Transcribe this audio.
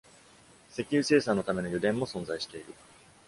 石油生産のための油田も存在している。